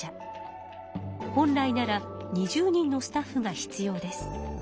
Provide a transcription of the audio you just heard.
本来なら２０人のスタッフが必要です。